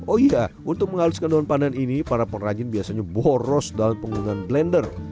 oh iya untuk menghaluskan daun pandan ini para pengrajin biasanya boros dalam penggunaan blender